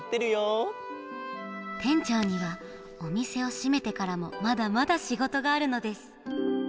てんちょうにはおみせをしめてからもまだまだしごとがあるのです。